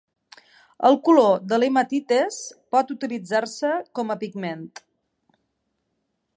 El color de l'hematites pot utilitzar-se com a pigment.